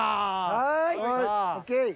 はい。